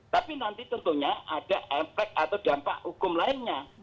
tapi nanti tentunya ada dampak hukum lainnya